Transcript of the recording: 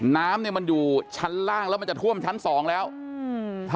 น้ำเนี้ยมันอยู่ชั้นล่างแล้วมันจะท่วมชั้นสองแล้วอืม